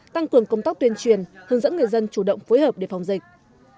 tăng cường công tác tuyên truyền hướng dẫn người dân chủ động phối hợp để phòng dịch